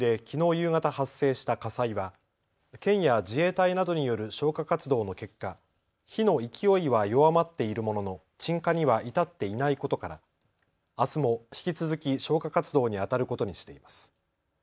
夕方発生した火災は県や自衛隊などによる消火活動の結果、火の勢いは弱まっているものの鎮火には至っていないことからあすも引き続き消火活動にあたることにしています。